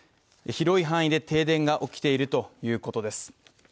広い範囲で停電が起きているということです。